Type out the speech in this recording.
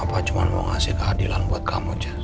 papa cuma mau ngasih keadilan buat kamu jess